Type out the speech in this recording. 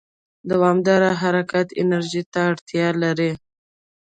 دوامداره حرکت انرژي ته اړتیا لري.